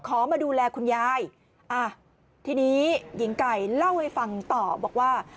มาดูแลคุณยายอ่ะทีนี้หญิงไก่เล่าให้ฟังต่อบอกว่า